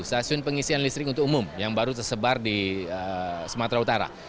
stasiun pengisian listrik untuk umum yang baru tersebar di sumatera utara